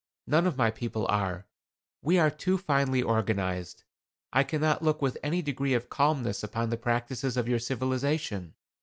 "None of my people are. We are too finely organized. I cannot look with any degree of calmness upon the practices of your civilization.